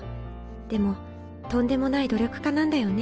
でもとんでもない努力家なんだよね